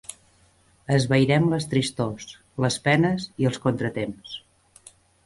Esvairem les tristors, les penes i els contratemps.